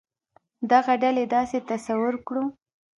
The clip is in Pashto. دغه ډلې داسې تصور کړو.